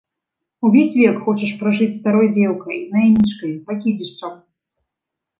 Увесь век хочаш пражыць старой дзеўкай, наймічкай, пакідзішчам.